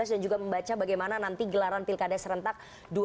dan juga membaca bagaimana nanti gelaran pilkada serentak dua ribu dua puluh